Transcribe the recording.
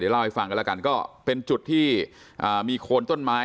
ร้อยฟังกันละกันก็เป็นจุดที่มีโคนต้นไม้